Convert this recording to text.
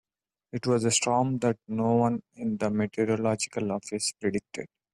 It was a storm that no one in the meteorological office predicted.